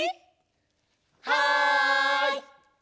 はい！